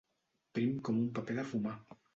Prim com un paper de fumar.